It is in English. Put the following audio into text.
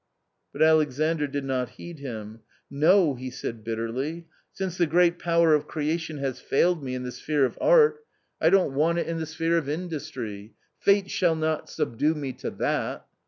But Alexandr did not heed him. No!" he said bitterly, "since the great power of J u creation has failed me in the sphere of art, I don't want it / V 166 A COMMON STORY in the sphere of industry. Fate shall not subdue me to that